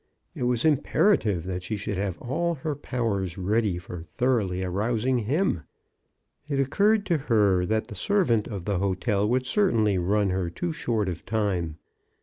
It was imperative that she should have all her powers ready for 38 CHRISTMAS AT THOMPSON HALL. thoroughly arousing him. It occurred to her that the servant of the hotel would certainly run her too short of time.